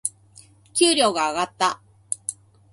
給料が上がった。